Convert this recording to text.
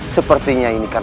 sepertinya ini karena